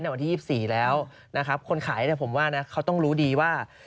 วันที่๒๔แล้วนะครับคนขายผมว่านะเขาต้องรู้ดีว่า